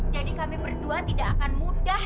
jadi kami berdua tidak akan mudah